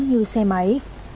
như xe máy